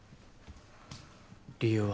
理由は？